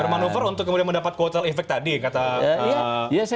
bermanuver untuk kemudian mendapat kuotel efek tadi kata